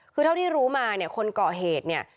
คือเท่าที่รู้มาเนี่ยคนก่อเหตุเนี่ย